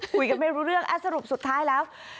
คุยกันไม่รู้เรื่องสรุปสุดท้ายแล้ว